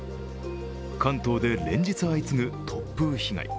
関東で連日相次ぐ突風被害。